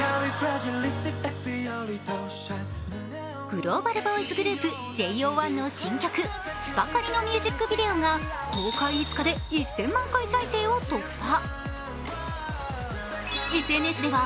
グローバルボーイズグループ、ＪＯ１の新曲「ＳｕｐｅｒＣａｌｉ」のミュージックビデオが公開５日で１０００万回再生を突破。